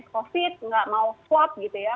nggak mau tes covid nggak mau swab gitu ya